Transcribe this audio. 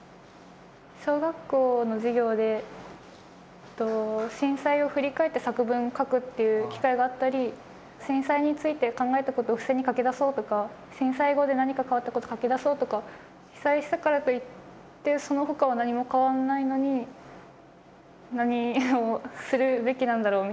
小学校の授業で震災を振り返って作文を書くっていう機会があったり震災について考えたことを付箋に書き出そうとか震災後で何か変わったことを書き出そうとか被災したからといってそのほかは何も変わんないのに何をするべきなんだろう